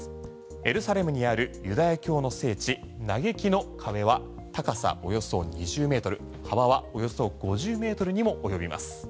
エルサレムにあるユダヤ教の聖地、嘆きの壁は高さおよそ２０ｍ幅はおよそ５０ｍにも及びます。